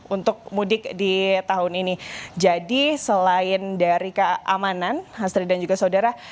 untuk mudik di tahun ini jadi selain dari keamanan hasri dan juga saudara